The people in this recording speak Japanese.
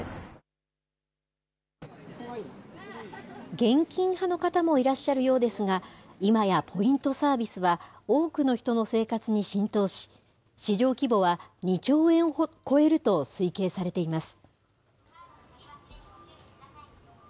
現金派の方もいらっしゃるようですが、今やポイントサービスは、多くの人の生活に浸透し、市場規模は２兆円を超えると推計されています。